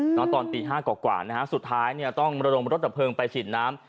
ตอนตีห้ากว่ากว่านะฮะสุดท้ายเนี่ยต้องระดมรถดับเพลิงไปฉีดน้ำ